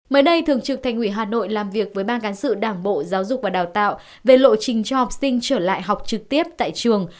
mới đây thường trực thành ủy hà nội làm việc với ban cán sự đảng bộ giáo dục và đào tạo về lộ trình cho học sinh trở lại học trực tiếp tại trường